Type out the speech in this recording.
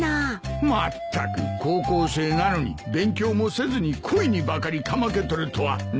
まったく高校生なのに勉強もせずに恋にばかりかまけとるとは何とも。